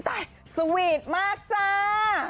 อุ๊ยตายสวีทมากจ้า